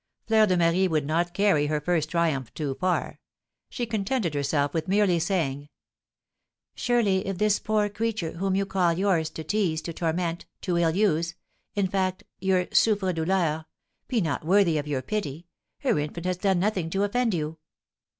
Fleur de Marie would not carry her first triumph too far. She contented herself with merely saying: "Surely, if this poor creature, whom you call yours, to tease, to torment, to ill use, in fact, your souffre douleur, be not worthy of your pity, her infant has done nothing to offend you.